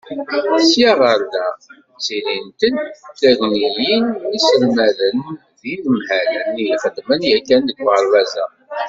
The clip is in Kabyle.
Sya ɣer da, ttilint-d tnagiyin n yiselmaden d yinemhalen i ixedmen yakan deg uɣerbaz-a.